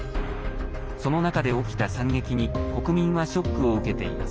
その中で起きた惨劇に国民はショックを受けています。